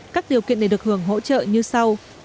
các điều kiện để được hưởng hỗ trợ như sau